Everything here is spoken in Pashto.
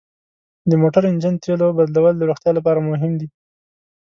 د موټر انجن تیلو بدلول د روغتیا لپاره مهم دي.